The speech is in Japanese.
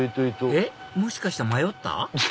えっもしかして迷った？